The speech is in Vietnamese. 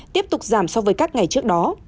tiếp tục giảm so với các ngày trước đó